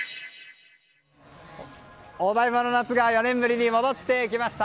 お台場の夏が４年ぶりに戻ってきました！